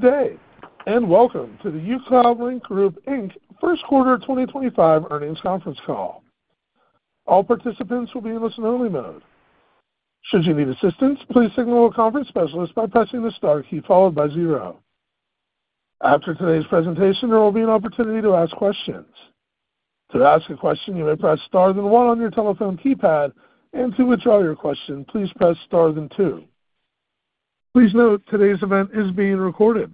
Good day, and welcome to the uCloudlink Group First Quarter 2025 earnings conference call. All participants will be in listen-only mode. Should you need assistance, please signal a conference specialist by pressing the star key followed by zero. After today's presentation, there will be an opportunity to ask questions. To ask a question, you may press star then one on your telephone keypad, and to withdraw your question, please press star then two. Please note today's event is being recorded.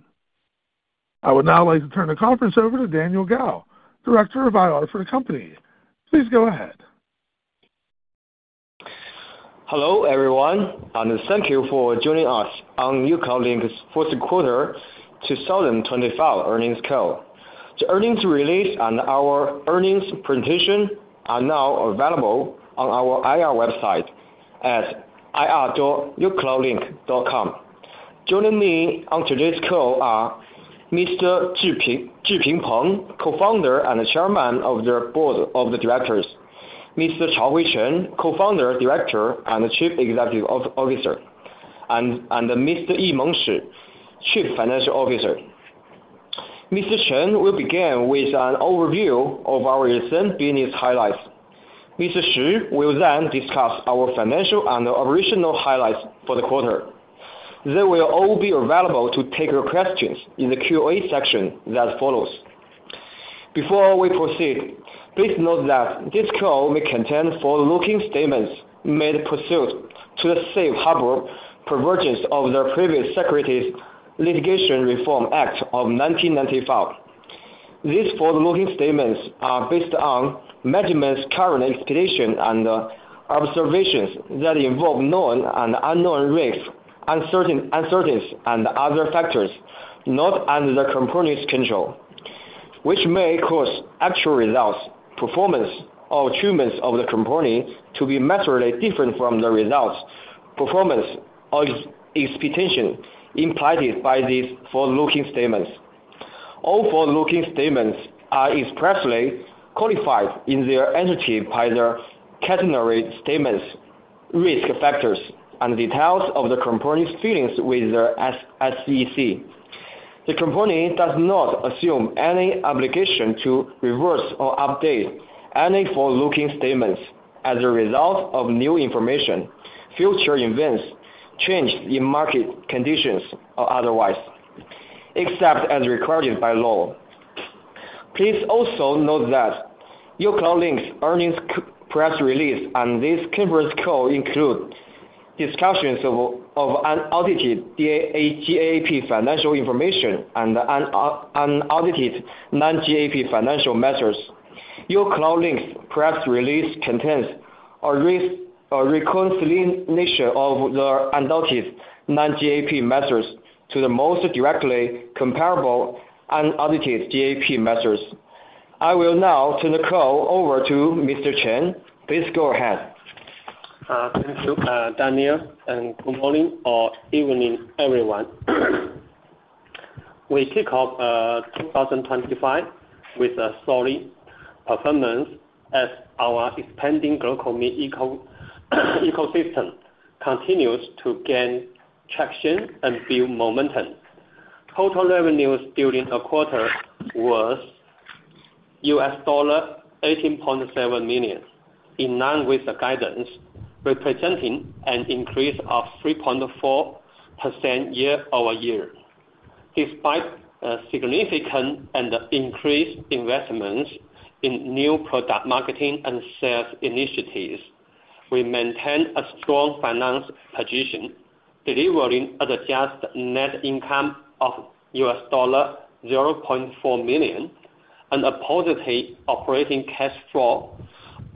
I would now like to turn the conference over to Daniel Gao, Director of IR for the company. Please go ahead. Hello, everyone. Thank you for joining us on uCloudlink's fourth quarter 2025 earnings call. The earnings release and our earnings presentation are now available on our IR website at irw.ucloudlink.com. Joining me on today's call are Mr. Zhiping Peng, Co-founder and Chairman of the Board of Directors; Mr. Chaohui Chen, Co-founder, Director, and Chief Executive Officer; and Mr. Yimeng Shi, Chief Financial Officer. Mr. Chen will begin with an overview of our recent business highlights. Mr. Shi will then discuss our financial and operational highlights for the quarter. They will all be available to take your questions in the Q&A section that follows. Before we proceed, please note that this call may contain forward-looking statements made pursuant to the safe harbor provisions of the Private Securities Litigation Reform Act of 1995. These forward-looking statements are based on management's current expectation and observations that involve known and unknown risks, uncertainties, and other factors not under the company's control, which may cause actual results, performance, or achievements of the company to be materially different from the results, performance, or expectation implied by these forward-looking statements. All forward-looking statements are expressly qualified in their entirety by their cautionary statements, risk factors, and details of the company's filings with the SEC. The company does not assume any obligation to revise or update any forward-looking statements as a result of new information, future events, changes in market conditions, or otherwise, except as required by law. Please also note that uCloudlink's earnings press release and this conference call include discussions of unaudited GAAP financial information and unaudited non-GAAP financial matters. uCloudlink's press release contains a reconciliation of the unaudited non-GAAP matters to the most directly comparable unaudited GAAP matters. I will now turn the call over to Mr. Chen. Please go ahead. Thank you, Daniel, and good morning or evening, everyone. We kick off 2025 with a solid performance as our expanding global ecosystem continues to gain traction and build momentum. Total revenues during the quarter was $18.7 million, in line with the guidance, representing an increase of 3.4% year-over-year. Despite significant and increased investments in new product marketing and sales initiatives, we maintain a strong finance position, delivering adjusted net income of $0.4 million and a positive operating cash flow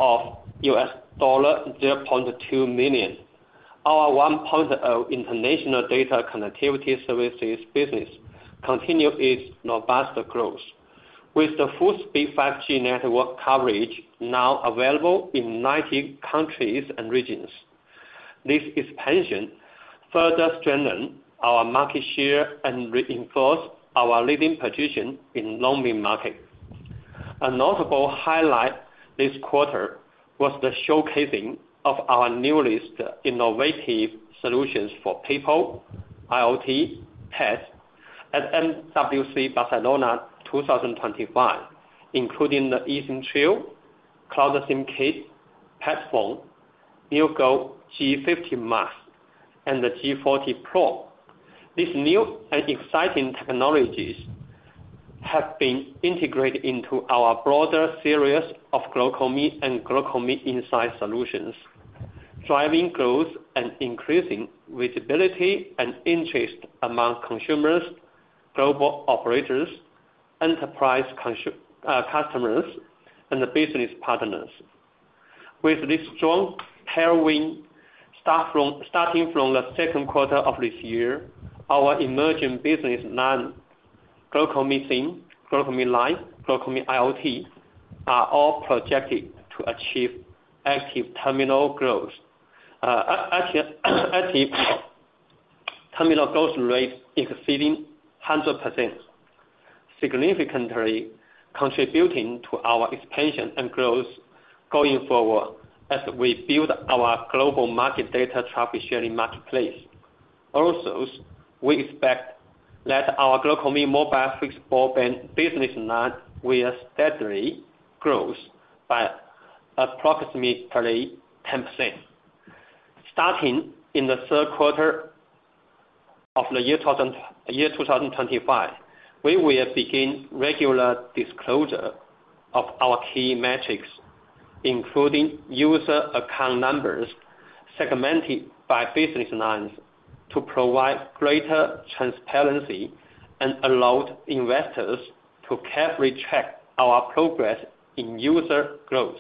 of $0.2 million. Our 1.0 international data connectivity services business continues its robust growth, with the full-speed 5G network coverage now available in 90 countries and regions. This expansion further strengthens our market share and reinforces our leading position in the loan market. A notable highlight this quarter was the showcasing of our newest innovative solutions for PayPal, IoT, TES, at MWC Barcelona 2025, including the eSIM Trail, Cloud SIM Kit, platform, new GoG50 Max, and the G40 Pro. These new and exciting technologies have been integrated into our broader series of GlocalMe and GlocalMe Insight solutions, driving growth and increasing visibility and interest among consumers, global operators, enterprise customers, and business partners. With this strong tailwind starting from the second quarter of this year, our emerging business line, GlocalMe, GlocalMe Life, GlocalMe IoT, are all projected to achieve active terminal growth, active terminal growth rate exceeding 100%, significantly contributing to our expansion and growth going forward as we build our global market data traffic sharing marketplace. Also, we expect that our GlocalMe mobile fixed broadband business line will steadily grow by approximately 10%. Starting in the third quarter of the year 2025, we will begin regular disclosure of our key metrics, including user account numbers segmented by business lines, to provide greater transparency and allow investors to carefully track our progress in user growth.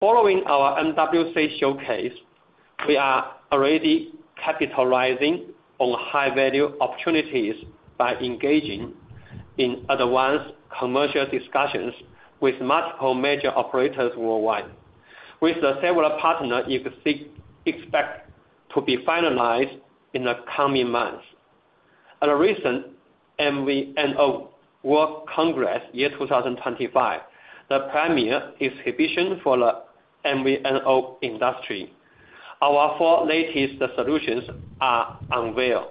Following our MWC showcase, we are already capitalizing on high-value opportunities by engaging in advanced commercial discussions with multiple major operators worldwide, with several partners expected to be finalized in the coming months. At the recent MVNO World Congress year 2025, the premier exhibition for the MVNO industry, our four latest solutions are unveiled,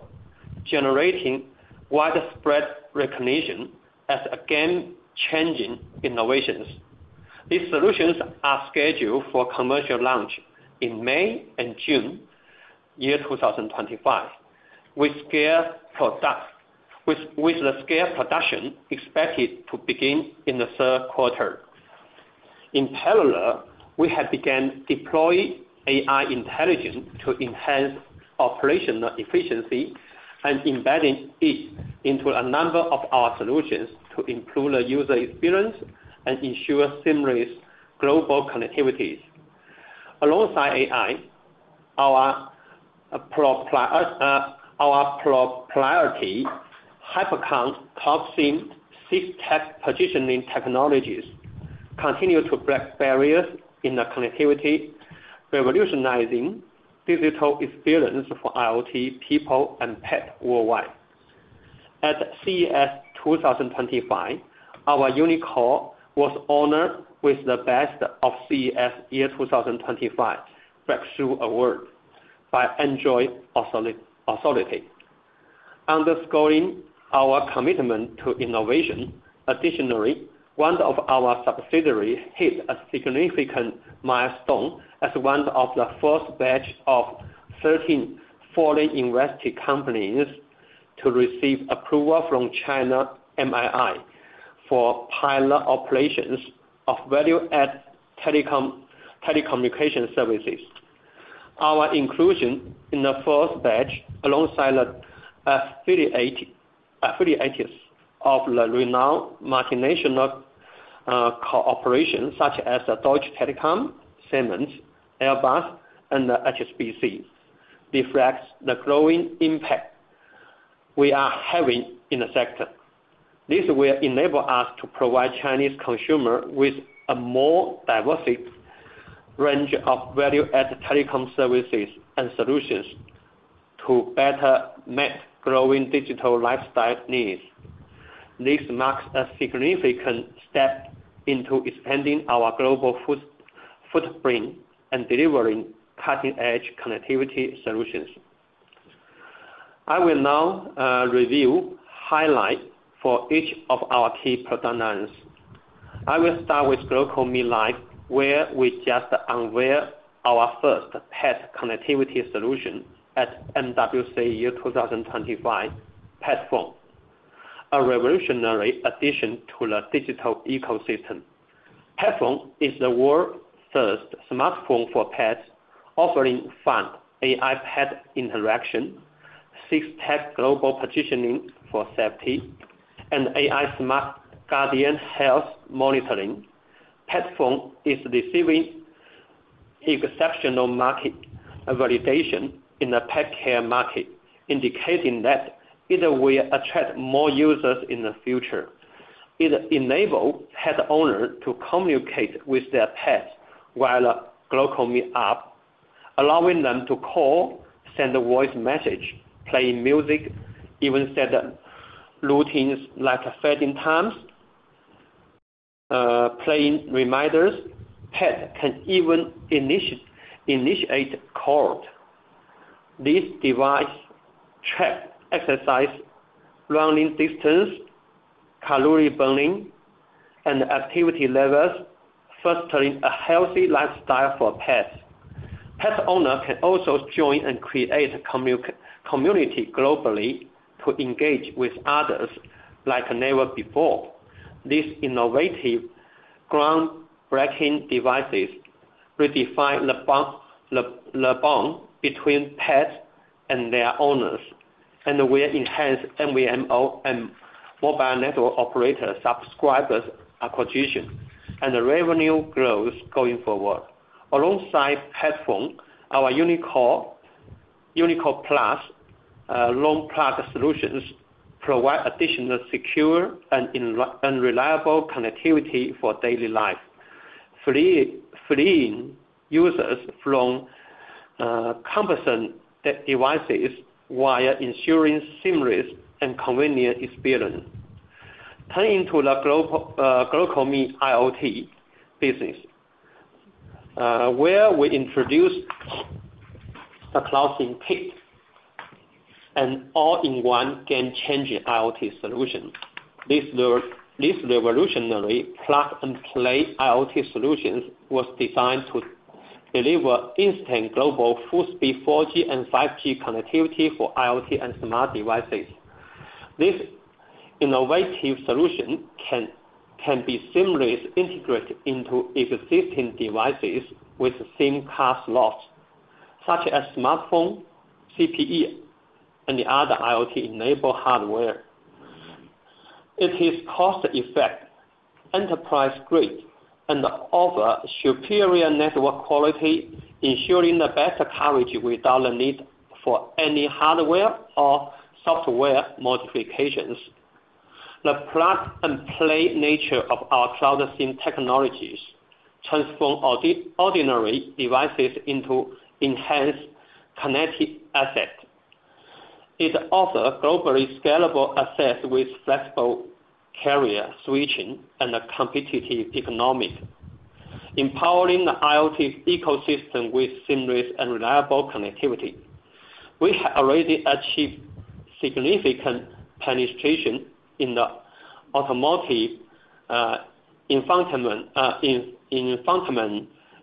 generating widespread recognition as again changing innovations. These solutions are scheduled for commercial launch in May and June year 2025, with the scale production expected to begin in the third quarter. In parallel, we have begun deploying AI intelligence to enhance operational efficiency and embedding it into a number of our solutions to improve the user experience and ensure seamless global connectivities. Alongside AI, our proprietary Hypercon top-tier six-tech positioning technologies continue to break barriers in the connectivity, revolutionizing digital experience for IoT, people, and tech worldwide. At CES 2025, our UniCord was honored with the Best of CES year 2025 Breakthrough Award by Android Authority. Underscoring our commitment to innovation, additionally, one of our subsidiaries hit a significant milestone as one of the first batch of 13 fully invested companies to receive approval from China MII for pilot operations of value-add telecommunication services. Our inclusion in the first batch, alongside affiliates of the renowned multinational cooperation, such as Deutsche Telekom, Siemens, Airbus, and HSBC, reflects the growing impact we are having in the sector. This will enable us to provide Chinese consumers with a more diverse range of value-add telecom services and solutions to better meet growing digital lifestyle needs. This marks a significant step into expanding our global footprint and delivering cutting-edge connectivity solutions. I will now review highlights for each of our key product lines. I will start with GlocalMe line, where we just unveiled our first pet connectivity solution at MWC 2025 platform, a revolutionary addition to the digital ecosystem. PetPhone is the world's first smartphone for pets, offering fun AI pet interaction, six-tech global positioning for safety, and AI smart guardian health monitoring. PetPhone is receiving exceptional market validation in the pet care market, indicating that it will attract more users in the future. It enables pet owners to communicate with their pets via a GlocalMe app, allowing them to call, send a voice message, play music, even set routines like feeding times, playing reminders. Pets can even initiate calls. This device tracks exercise, running distance, calorie burning, and activity levels, fostering a healthy lifestyle for pets. Pet owners can also join and create a community globally to engage with others like never before. These innovative groundbreaking devices redefine the bond between pets and their owners, and will enhance MVNO and mobile network operator subscribers' acquisition and revenue growth going forward. Alongside PetPhone, our UniCord plus loan plug solutions provide additional secure and reliable connectivity for daily life, freeing users from cumbersome devices while ensuring seamless and convenient experience. Turning to the GlocalMe IoT business, where we introduced the Cloud SIM Kit and all-in-one game-changing IoT solution. This revolutionary plug-and-play IoT solution was designed to deliver instant global full-speed 4G and 5G connectivity for IoT and smart devices. This innovative solution can be seamlessly integrated into existing devices with SIM card slots, such as smartphone, CPE, and other IoT-enabled hardware. It is cost-effective, enterprise-grade, and offers superior network quality, ensuring the best coverage without the need for any hardware or software modifications. The plug-and-play nature of our CloudSIM technology transforms ordinary devices into enhanced connected assets. It offers globally scalable assets with flexible carrier switching and a competitive economy, empowering the IoT ecosystem with seamless and reliable connectivity. We have already achieved significant penetration in the automotive infotainment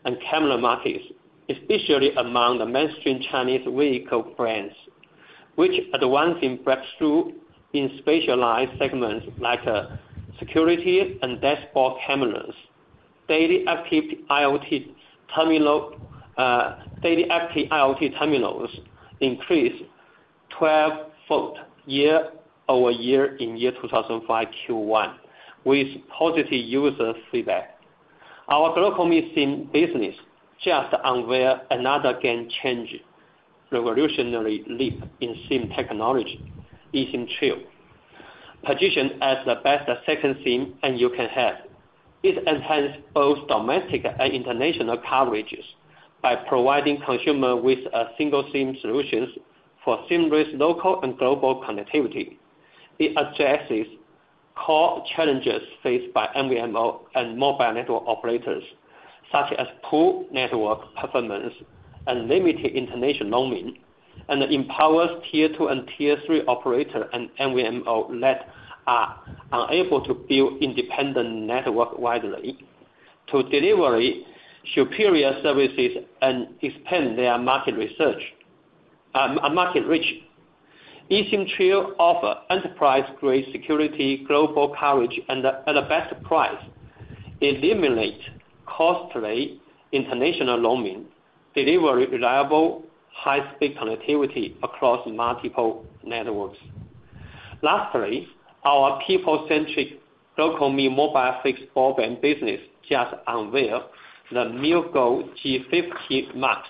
and camera markets, especially among the mainstream Chinese vehicle brands, which advance in breakthrough in specialized segments like security and dashboard cameras. Daily active IoT terminals increased 12-fold year-over-year in year 2025 Q1, with positive user feedback. Our GlocalMe SIM business just unveiled another game-changing revolutionary leap in SIM technology, eSIM Trail, positioned as the best second SIM you can have. It enhances both domestic and international coverages by providing consumers with single SIM solutions for seamless local and global connectivity. It addresses core challenges faced by MVNO and mobile network operators, such as poor network performance and limited international roaming, and empowers tier two and tier three operators and MVNO that are unable to build independent network widely to deliver superior services and expand their market reach. eSIM Trail offers enterprise-grade security, global coverage, and at the best price, eliminates costly international roaming, delivering reliable high-speed connectivity across multiple networks. Lastly, our people-centric GlocalMe mobile fixed broadband business just unveiled the new GoG50 Max,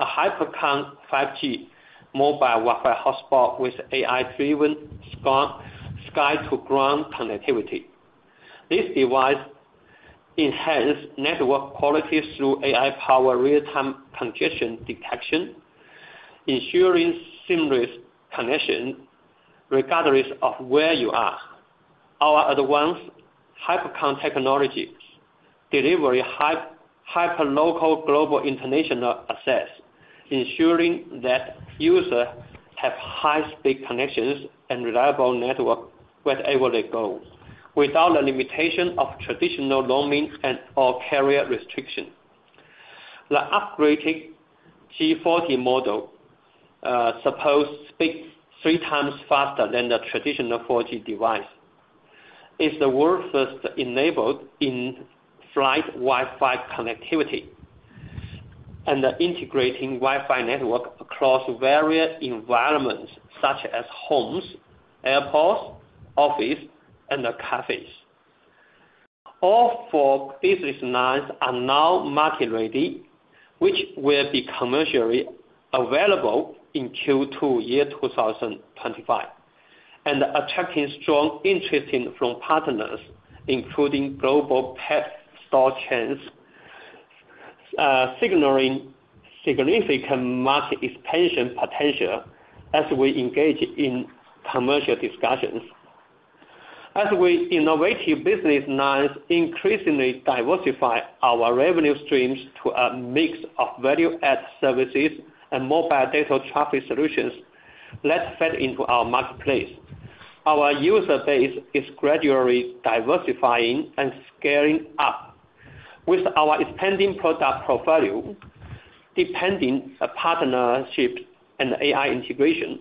a HyperConn 5G mobile Wi-Fi hotspot with AI-driven sky-to-ground connectivity. This device enhances network quality through AI-powered real-time congestion detection, ensuring seamless connection regardless of where you are. Our advanced HyperConn technology delivers hyper-local global international assets, ensuring that users have high-speed connections and reliable network wherever they go, without the limitation of traditional roaming and/or carrier restrictions. The upgraded G40 Pro model supports speed three times faster than the traditional 4G device. It's the world-first enabled in flight Wi-Fi connectivity and integrating Wi-Fi network across various environments, such as homes, airports, offices, and cafes. All four business lines are now market-ready, which will be commercially available in Q2 year 2025, and attracting strong interest from partners, including global pet store chains, signaling significant market expansion potential as we engage in commercial discussions. As we innovate business lines, increasingly diversify our revenue streams to a mix of value-add services and mobile data traffic solutions that fit into our marketplace. Our user base is gradually diversifying and scaling up. With our expanding product portfolio, deepening partnerships, and AI integration,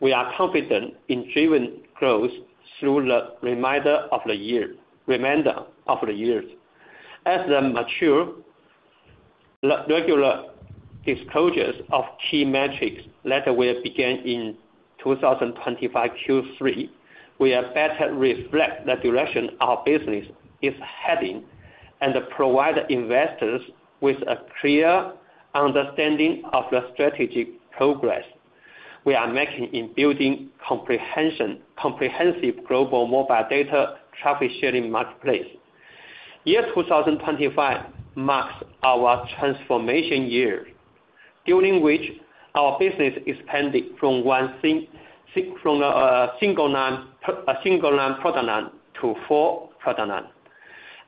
we are confident in driven growth through the remainder of the years. As the mature regular disclosures of key metrics later will begin in 2025 Q3, we are better reflecting the direction our business is heading and provide investors with a clear understanding of the strategic progress we are making in building comprehensive global mobile data traffic sharing marketplace. Year 2025 marks our transformation year, during which our business expanded from a single line product line to four product lines,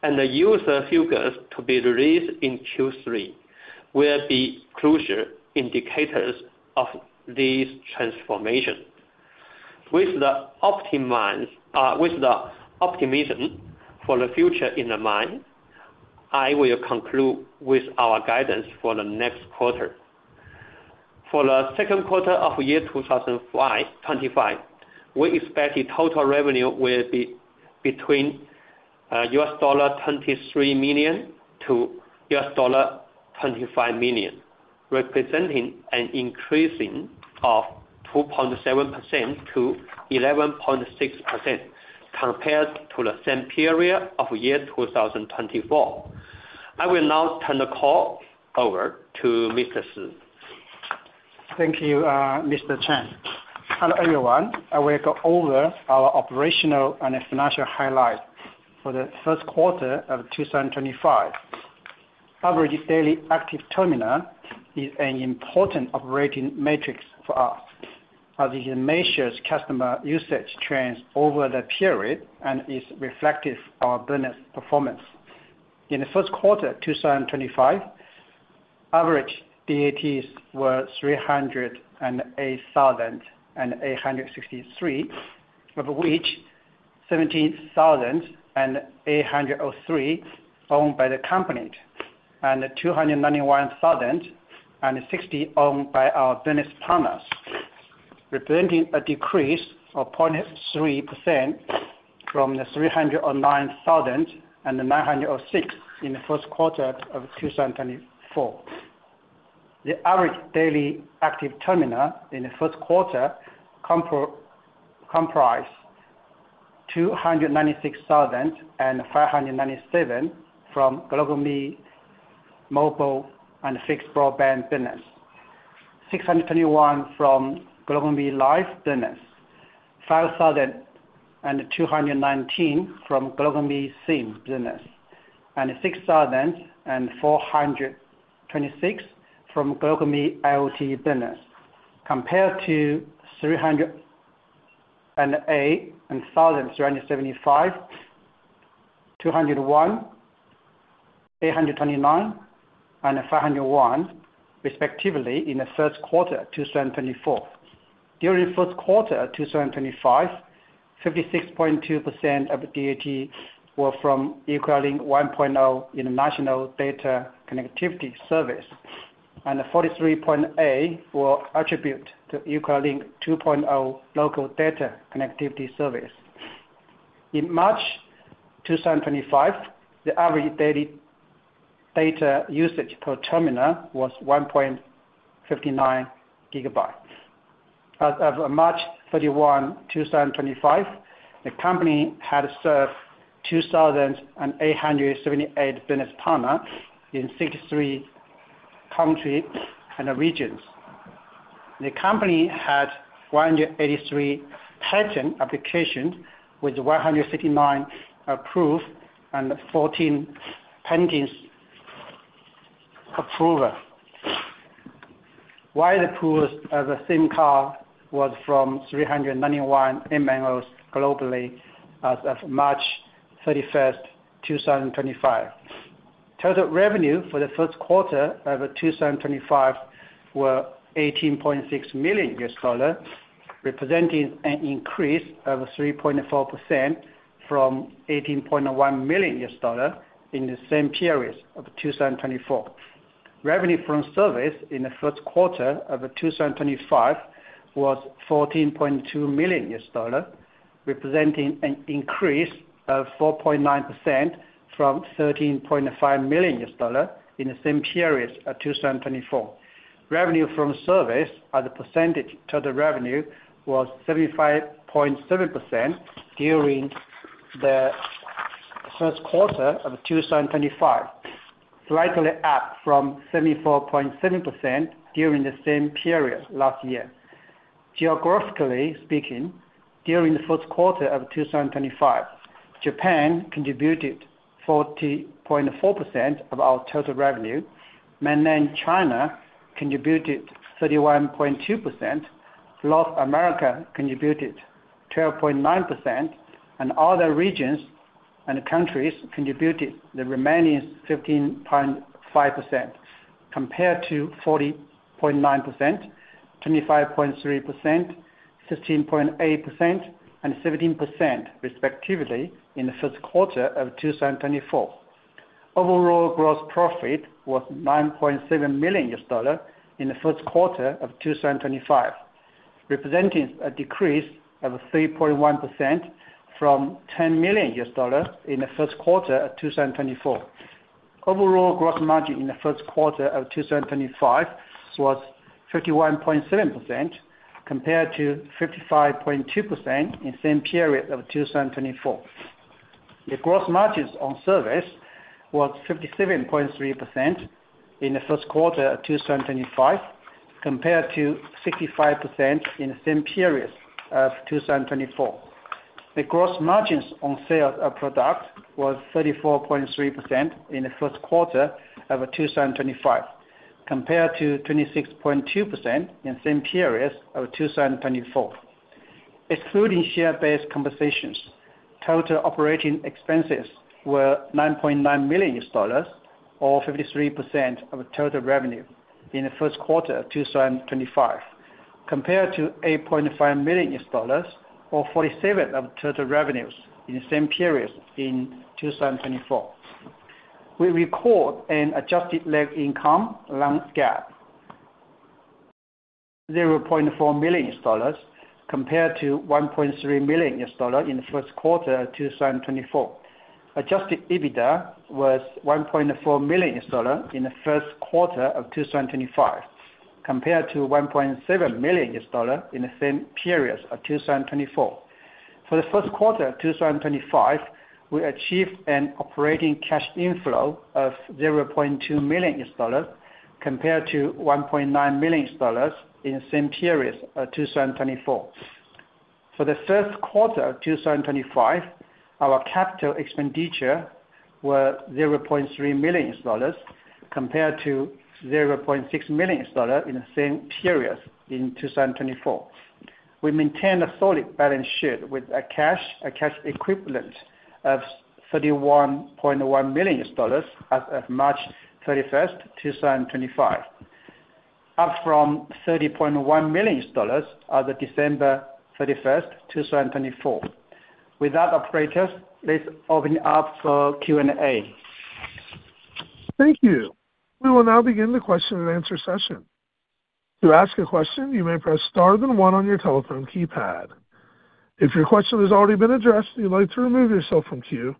and the user figures to be released in Q3 will be crucial indicators of this transformation. With the optimism for the future in mind, I will conclude with our guidance for the next quarter. For the second quarter of year 2025, we expect total revenue will be between $23 million-$25 million, representing an increase of 2.7%-11.6% compared to the same period of year 2024. I will now turn the call over to Mr. Shi. Thank you, Mr. Chen. Hello, everyone. I will go over our operational and financial highlights for the first quarter of 2025. Average daily active terminal is an important operating metric for us, as it measures customer usage trends over the period and is reflective of our business performance. In the first quarter of 2025, average DATs were 308,863, of which 17,803 owned by the company and 291,060 owned by our business partners, representing a decrease of 0.3% from the 309,906 in the first quarter of 2024. The average daily active terminal in the first quarter comprised 296,597 from GlocalMe mobile and fixed broadband business, 621 from GlocalMe Life business, 5,219 from GlocalMe SIM business, and 6,426 from GlocalMe IoT business, compared to 308,375, 201,829, and 501, respectively, in the first quarter of 2024. During the first quarter of 2025, 56.2% of DAT were from uCloudlink 1.0 International Data Connectivity Service, and 43.8% were attributed to uCloudlink 2.0 Local Data Connectivity Service. In March 2025, the average daily data usage per terminal was 1.59 gigabytes. As of March 31, 2025, the company had served 2,878 business partners in 63 countries and regions. The company had 183 patent applications with 169 approved and 14 pending approval. Wide approvals of the SIM card were from 391 MVNOs globally as of March 31, 2025. Total revenue for the first quarter of 2025 was $18.6 million, representing an increase of 3.4% from $18.1 million in the same period of 2024. Revenue from service in the first quarter of 2025 was $14.2 million, representing an increase of 4.9% from $13.5 million in the same period of 2024. Revenue from service as a percentage of total revenue was 75.7% during the first quarter of 2025, slightly up from 74.7% during the same period last year. Geographically speaking, during the first quarter of 2025, Japan contributed 40.4% of our total revenue, China contributed 31.2%, North America contributed 12.9%, and other regions and countries contributed the remaining 15.5%, compared to 40.9%, 25.3%, 16.8%, and 17%, respectively, in the first quarter of 2024. Overall gross profit was $9.7 million in the first quarter of 2025, representing a decrease of 3.1% from $10 million in the first quarter of 2024. Overall gross margin in the first quarter of 2025 was 51.7%, compared to 55.2% in the same period of 2024. The gross margins on service were 57.3% in the first quarter of 2025, compared to 65% in the same period of 2024. The gross margins on sales of product were 34.3% in the first quarter of 2025, compared to 26.2% in the same period of 2024. Excluding share-based compensations, total operating expenses were $9.9 million, or 53% of total revenue in the first quarter of 2025, compared to $8.5 million, or 47% of total revenues in the same period in 2024. We record an adjusted net income lump gap of $0.4 million, compared to $1.3 million in the first quarter of 2024. Adjusted EBITDA was $1.4 million in the first quarter of 2025, compared to $1.7 million in the same period of 2024. For the first quarter of 2025, we achieved an operating cash inflow of $0.2 million, compared to $1.9 million in the same period of 2024. For the first quarter of 2025, our capital expenditure was $0.3 million, compared to $0.6 million in the same period in 2024. We maintained a solid balance sheet with a cash equivalent of $31.1 million as of March 31, 2025, up from $30.1 million as of December 31, 2024. With that, operators, let's open it up for Q&A. Thank you. We will now begin the question-and-answer session. To ask a question, you may press star then one on your telephone keypad. If your question has already been addressed and you'd like to remove yourself from queue,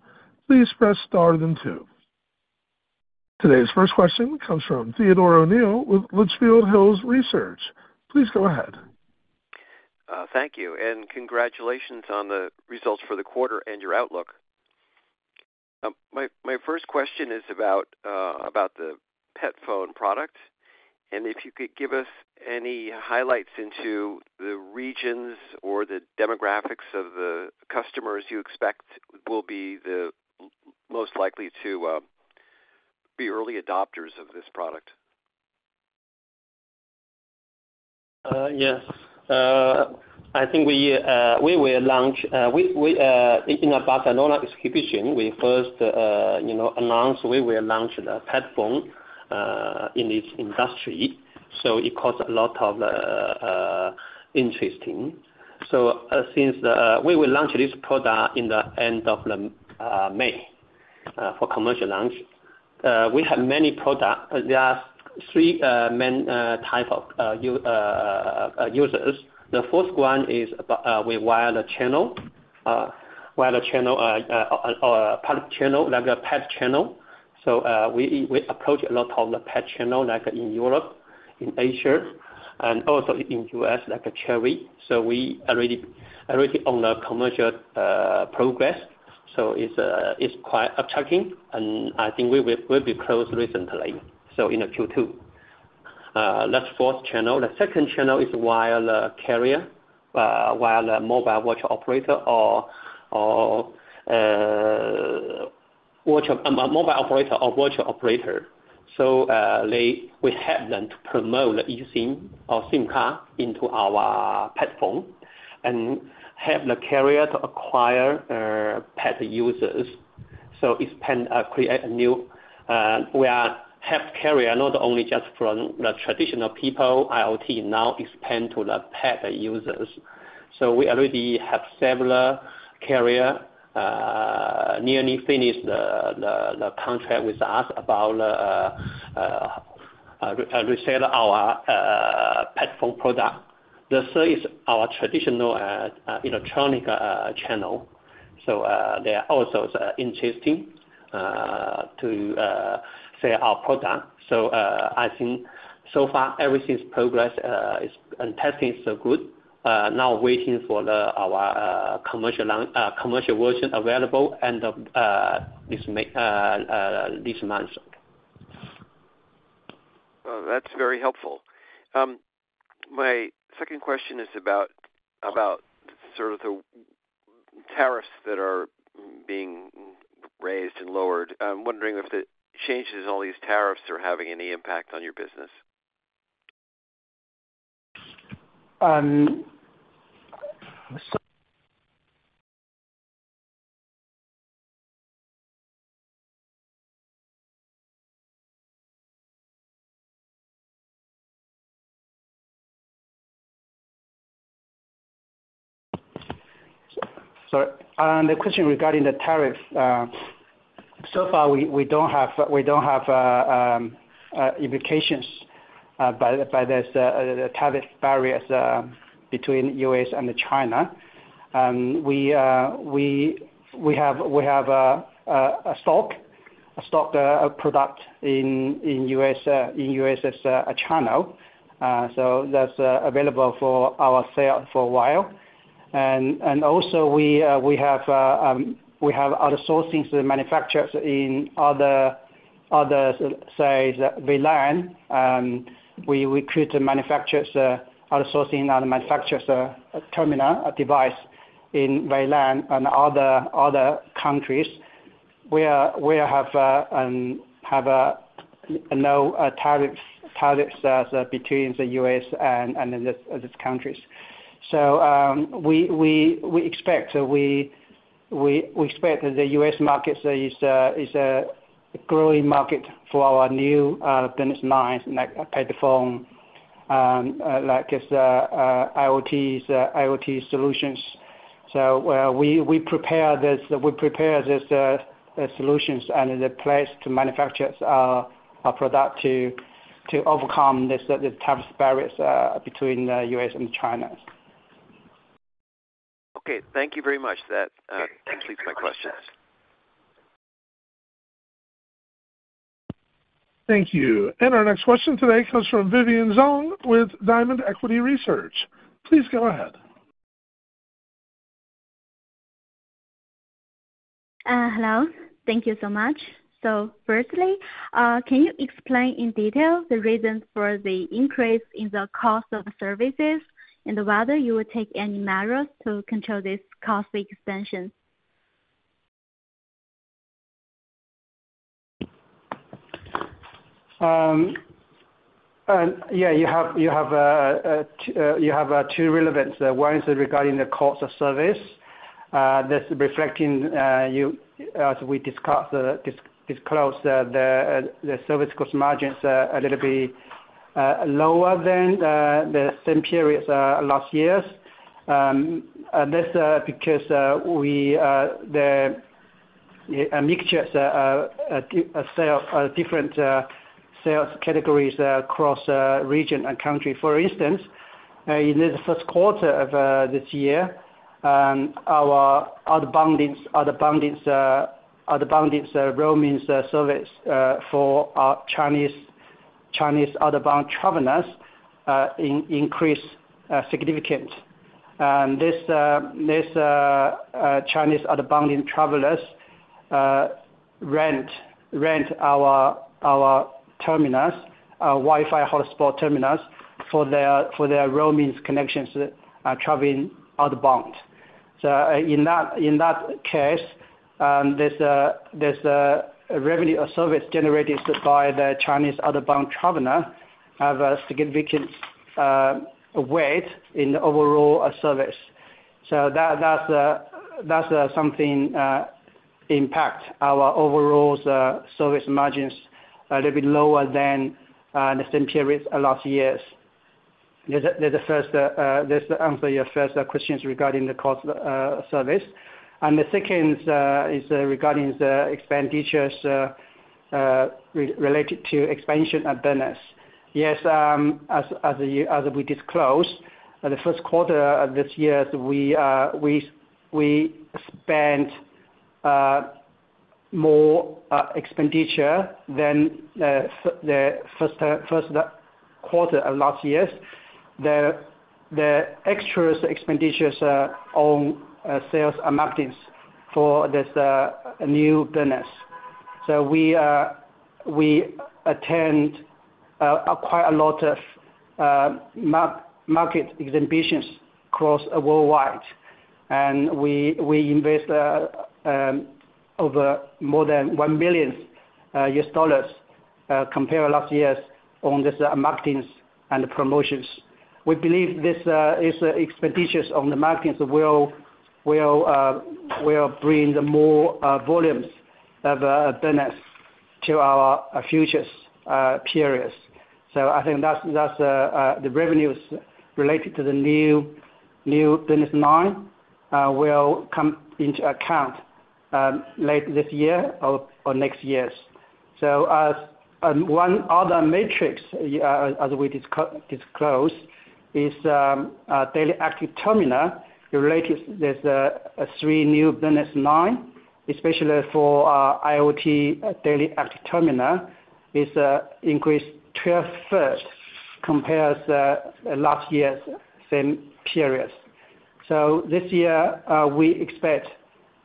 please press star then two. Today's first question comes from Theodore O'Neill with Litchfield Hills Research. Please go ahead. Thank you. Congratulations on the results for the quarter and your outlook. My first question is about the PetPhone product. If you could give us any highlights into the regions or the demographics of the customers you expect will be the most likely to be early adopters of this product. Yes. I think we will launch in about another exhibition. We first announced we will launch the PetPhone in this industry. It caused a lot of interesting. Since we will launch this product at the end of May for commercial launch, we have many products. There are three main types of users. The fourth one is wired channel, wired channel, or pipe channel, like a pet channel. We approach a lot of the pet channel in Europe, in Asia, and also in the U.S., like a Cherry. We already own the commercial progress. It is quite attracting. I think we will be closed recently, in Q2. That is the fourth channel. The second channel is wired carrier, wired mobile virtual operator, or mobile operator or virtual operator. We help them to promote eSIM or SIM card into our PetPhone and help the carrier to acquire pet users. It creates a new, we are help carrier not only just from the traditional people IoT, now expand to the pet users. We already have several carriers nearly finished the contract with us about reselling our Petphone product. The third is our traditional electronic channel. They are also interested in selling our product. I think so far everything's progress and testing is so good. Now waiting for our commercial version available end of this month. That's very helpful. My second question is about sort of the tariffs that are being raised and lowered. I'm wondering if the changes in all these tariffs are having any impact on your business. Sorry. The question regarding the tariffs, so far we don't have implications by the tariff barriers between the U.S. and China. We have a stock product in the U.S. as a channel. That's available for our sale for a while. Also, we have outsourcing manufacturers in other sites that we learn. We recruit manufacturers, outsourcing our manufacturers' terminal device in mainland and other countries. We have no tariffs between the U.S. and these countries. We expect the U.S. market is a growing market for our new business lines, like a pet phone, like IoT solutions. We prepare these solutions and the place to manufacture our product to overcome the tariff barriers between the U.S. and China. Okay. Thank you very much. That completes my questions. Thank you. Our next question today comes from Vivian Zhang with Diamond Equity Research. Please go ahead. Hello. Thank you so much. Firstly, can you explain in detail the reasons for the increase in the cost of services and whether you will take any measures to control this cost extension? Yeah. You have two relevants. One is regarding the cost of service. That's reflecting, as we disclosed, the service cost margins are a little bit lower than the same period last year. That's because we mixed different sales categories across region and country. For instance, in the first quarter of this year, our outbound roaming service for our Chinese outbound travelers increased significantly. And these Chinese outbound travelers rent our terminals, our Wi-Fi hotspot terminals, for their roaming connections traveling outbound. In that case, this revenue of service generated by the Chinese outbound traveler has a significant weight in the overall service. That's something that impacts our overall service margins a little bit lower than the same period last year. This answers your first questions regarding the cost of service. The second is regarding the expenditures related to expansion and bonus. Yes, as we disclosed, the first quarter of this year, we spent more expenditure than the first quarter of last year. The extra expenditures on sales and marketing for this new bonus. We attend quite a lot of market exhibitions worldwide. We invest over more than $1 million compared to last year on these marketings and promotions. We believe these expenditures on the marketings will bring more volumes of bonus to our futures periods. I think the revenues related to the new business line will come into account late this year or next years. One other matrix, as we disclosed, is daily active terminal related to these three new business lines, especially for IoT daily active terminal, is increased 12% compared to last year's same period. This year, we expect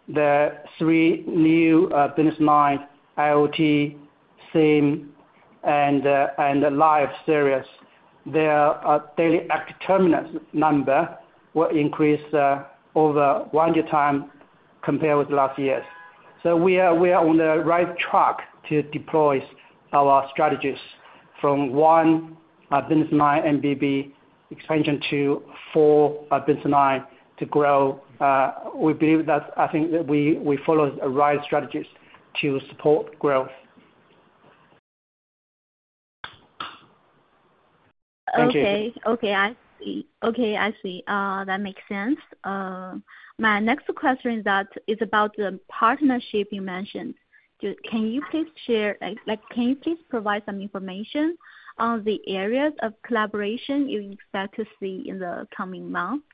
the three new business lines, IoT, SIM, and Life series, their daily active terminal number will increase over one year's time compared with last year. We are on the right track to deploy our strategies from one business line MBB expansion to four business lines to grow. We believe that I think we followed the right strategies to support growth. Thank you. Okay. I see. That makes sense. My next question is about the partnership you mentioned. Can you please share, can you please provide some information on the areas of collaboration you expect to see in the coming months?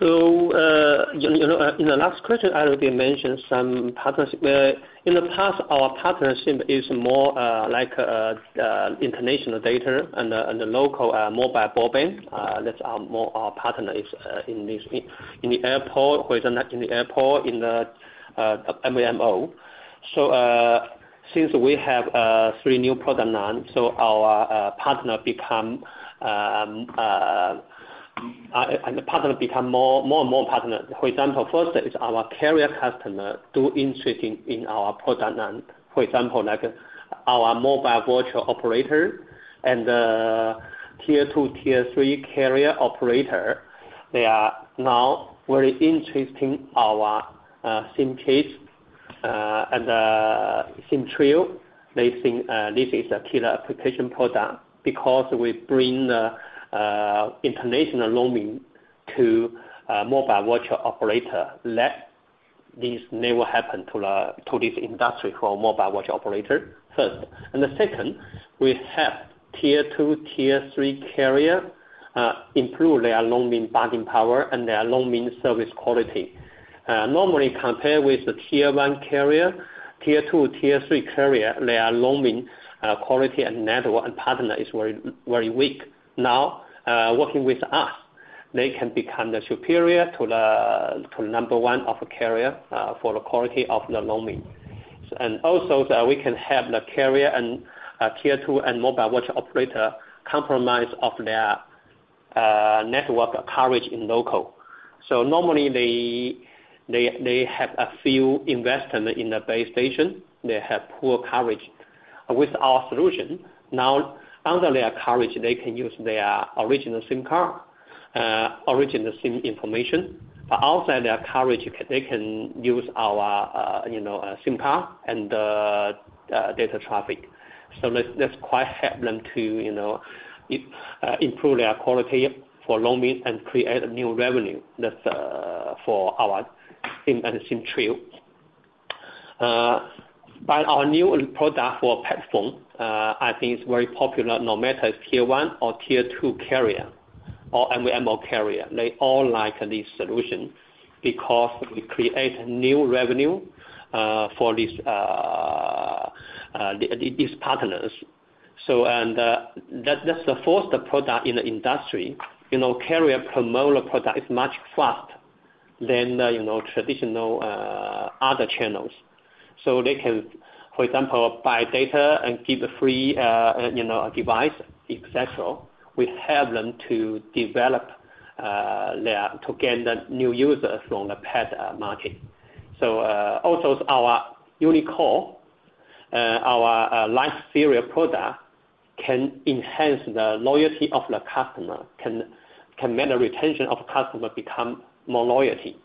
In the last question, I already mentioned some partnership. In the past, our partnership is more like international data and the local mobile broadband. That's how our partner is in the airport, in the airport, in the MAMO. Since we have three new product lines, our partner become more and more partners. For example, first is our carrier customer do interesting in our product line. For example, our mobile virtual operator and tier two, tier three carrier operator, they are now very interesting in our SIM kits and SIM Trail. They think this is a killer application product because we bring international roaming to mobile virtual operator. That means never happened to this industry for mobile virtual operator first. The second, we help tier two, tier three carrier improve their roaming binding power and their roaming service quality. Normally, compared with the tier one carrier, tier two, tier three carrier, their roaming quality and network and partner is very weak. Now, working with us, they can become the superior to the number one of a carrier for the quality of the roaming. We can help the carrier and tier two and mobile virtual operator compromise of their network coverage in local. Normally, they have a few investments in the base station. They have poor coverage. With our solution, under their coverage, they can use their original SIM card, original SIM information. Outside their coverage, they can use our SIM card and data traffic. That helps them to improve their quality for roaming and create new revenue for our SIM and SIM trail. Our new product for PetPhone, I think it's very popular no matter tier one or tier two carrier or MVNO carrier. They all like this solution because we create new revenue for these partners. That is the fourth product in the industry. Carrier promoter product is much faster than traditional other channels. They can, for example, buy data and give free device, etc. We help them to develop to get the new users from the pet market. Also, our UniCord, our Life serial product can enhance the loyalty of the customer, can make the retention of customer become more loyalty.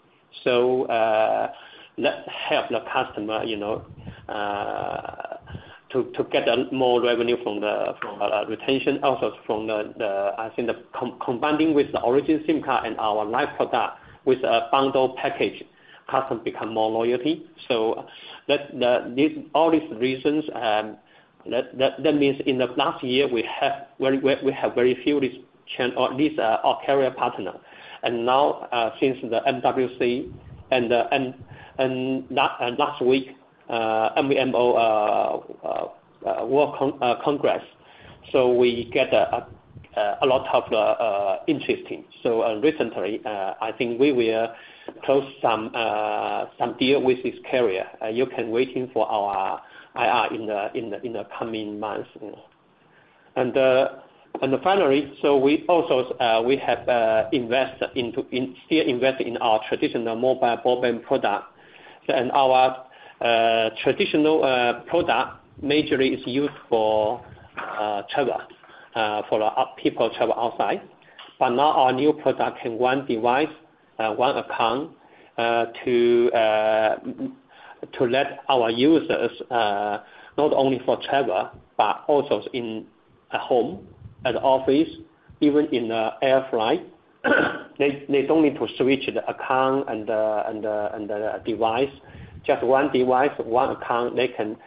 That helps the customer to get more revenue from the retention. I think combining with the original SIM card and our Life product with a bundle package, customer become more loyalty. All these reasons mean in the last year, we have very few of these carrier partners. Now, since the MWC and last week, Mobile World Congress, we get a lot of interesting. Recently, I think we will close some deal with this carrier. You can wait for our IR in the coming months. Finally, we also have invested in our traditional mobile broadband product. Our traditional product majorly is used for travel, for people travel outside. Now, our new product can, one device, one account, let our users not only for travel, but also in a home, at office, even in airflight. They do not need to switch the account and the device. Just one device, one account, they can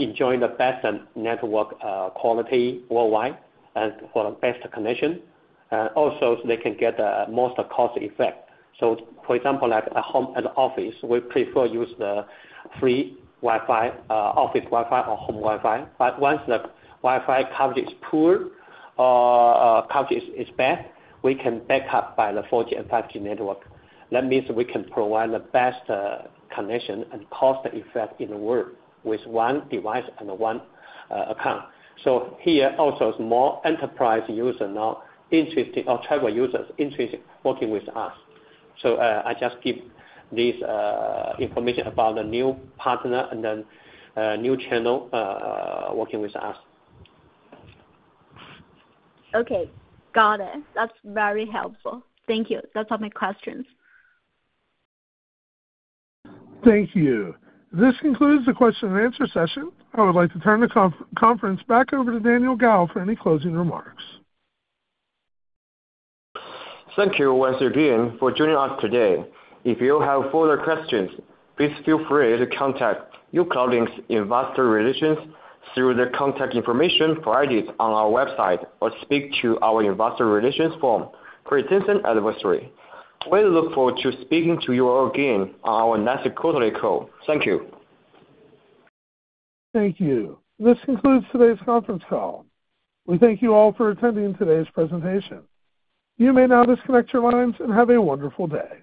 enjoy the best network quality worldwide for the best connection. Also, they can get the most cost effect. For example, at home, at office, we prefer use the free office Wi-Fi or home Wi-Fi. Once the Wi-Fi coverage is poor or coverage is bad, we can back up by the 4G and 5G network. That means we can provide the best connection and cost effect in the world with one device and one account. Here, also, it's more enterprise user now, travel users interested in working with us. I just give this information about the new partner and the new channel working with us. Okay. Got it. That's very helpful. Thank you. That's all my questions. Thank you. This concludes the question and answer session. I would like to turn the conference back over to Daniel Gao for any closing remarks. Thank you, Wen Shi Jian, for joining us today. If you have further questions, please feel free to contact uCloudlink's investor relations through the contact information provided on our website or speak to our investor relations firm, Great Intention Advisory. We look forward to speaking to you all again on our next quarterly call. Thank you. Thank you. This concludes today's conference call. We thank you all for attending today's presentation. You may now disconnect your lines and have a wonderful day.